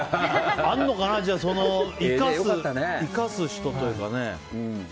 あるのかな生かす人というかね。